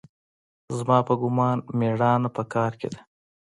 زما په ګومان مېړانه په کار کښې ده.